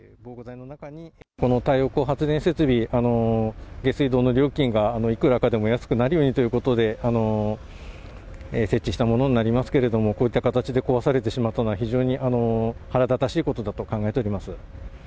この太陽光発電設備、下水道の料金がいくらかでも安くなるようにということで設置したものになりますけれども、こういった形で壊されてしまったのは、非常に腹立たしいことだと考えております。